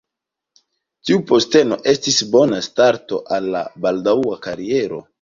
Tiu posteno estis bona starto al la baldaŭa kariero.